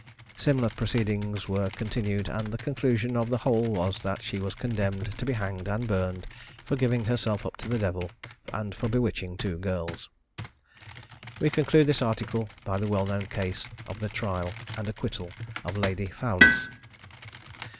Similar proceedings were continued; and the conclusion of the whole was, that she was condemned to be hanged and burned, for giving up herself to the devil, and for bewitching two girls! We conclude this article by the well known case of the trial and acquittal of Lady Fowlis.